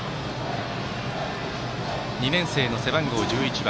２年生の背番号１１番